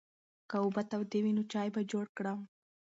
که اوبه تودې وي نو چای به جوړ کړم.